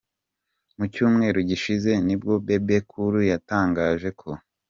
Mu cyumweru gishize, ni bwo Bebe Cool yatangaje ko